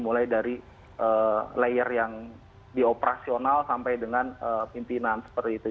mulai dari layer yang di operasional sampai dengan pimpinan seperti itu